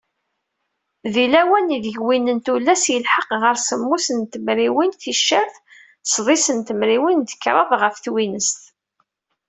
Di lawan ideg win n tullas yelḥeq ɣer semmus n tmerwin ticcert sḍis n tmerwin d kraḍ ɣef twinest.